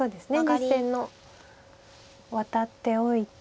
実戦のワタっておいて。